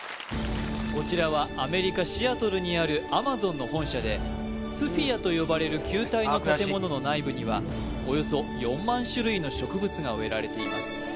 こちらはアメリカ・シアトルにあるＡｍａｚｏｎの本社でスフィアと呼ばれる球体の建物の内部にはおよそ４万種類の植物が植えられています